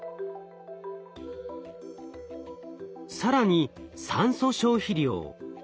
更に酸素消費量。